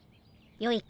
よいか？